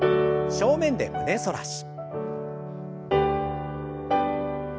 正面で胸反らし。